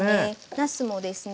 なすもですね